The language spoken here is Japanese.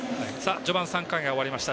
序盤３回が終わりました。